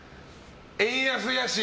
円安やし。